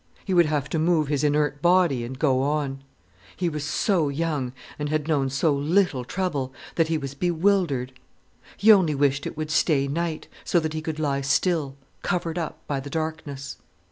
He would have to move his inert body and go on. He was so young, and had known so little trouble, that he was bewildered. He only wished it would stay night, so that he could lie still, covered up by the darkness.